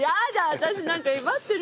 私何か威張ってる。